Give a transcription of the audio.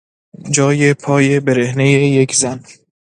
جای پای برهنهی یک زن